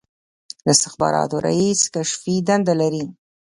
د استخباراتو رییس کشفي دنده لري